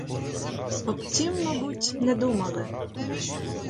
Об тім, мабуть, не думали?